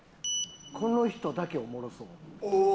この人だけおもろそう。